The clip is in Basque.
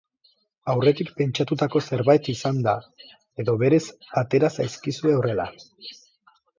Aurretik pentsatutako zerbait izan da edo berez atera zaizkizue horrela?